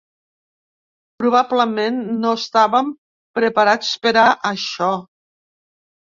Probablement no estàvem preparats per a això.